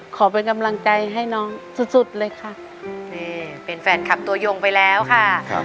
ขอเป็นกำลังใจให้น้องสุดสุดเลยค่ะนี่เป็นแฟนคลับตัวยงไปแล้วค่ะ